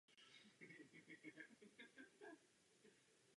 Pojem spadá do oblasti kulturní a sociální antropologie.